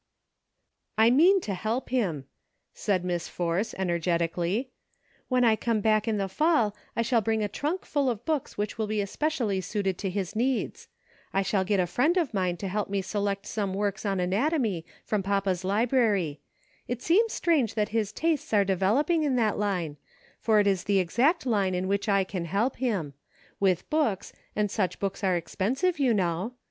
" I mean to help him," said Miss Force, ener getically ;" when I come back in the fall I shall bring a trunk full of books which will be especially suited to his needs ; I shall get a friend of mine to help me select some works on anatomy from papa's library ; it seems strange that his tastes are developing in that line, for it is the exact line in which I can help him ; with books, and such books are expensive, you know.